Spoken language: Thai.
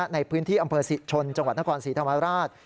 ในพื้นที่อำเภอศิษย์ชนจังหวัดนครสีธรรมดาลาศ